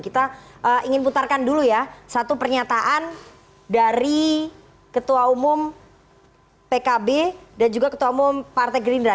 kita ingin putarkan dulu ya satu pernyataan dari ketua umum pkb dan juga ketua umum partai gerindra